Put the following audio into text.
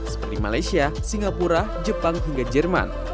seperti malaysia singapura jepang hingga jerman